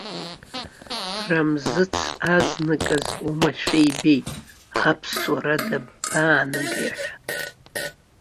Рамзыц азныказ оумашәа ибеит, аԥсуа ара дабаанагеи ҳәа.